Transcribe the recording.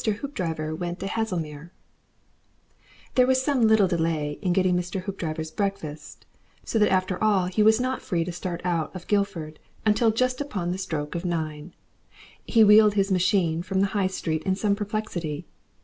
HOOPDRIVER WENT TO HASLEMERE There was some little delay in getting Mr. Hoopdriver's breakfast, so that after all he was not free to start out of Guildford until just upon the stroke of nine. He wheeled his machine from the High Street in some perplexity.